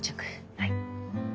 はい。